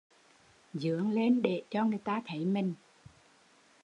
Dướng lên để cho người ta thấy mình